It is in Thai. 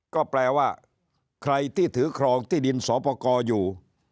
ก็แปลว่าใครที่ถือครองที่ดินสอปกรอยู่